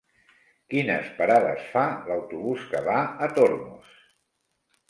Quines parades fa l'autobús que va a Tormos?